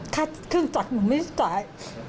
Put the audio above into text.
ค่าเครื่องจักรหนูไม่จ่าย